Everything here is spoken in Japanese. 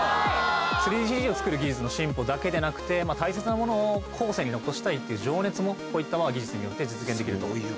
３ＤＣＧを作る技術の進歩だけでなくて大切なものを後世に残したいっていう情熱もこういった技術によって実現できる。